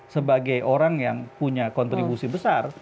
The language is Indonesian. sebagai orang yang punya kontribusi besar